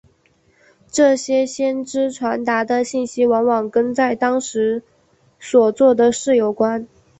这些先知传达的信息往往跟在当时所做的事有关。